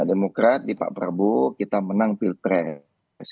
demokrat di pak prabowo kita menang pilpres